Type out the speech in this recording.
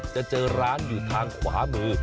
จะเจอร้านอยู่ทางขวามือ